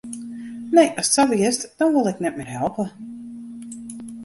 Nee, ast sa begjinst, dan wol ik net mear helpe.